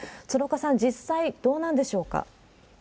鶴岡さん、実際どうなんでしょうか？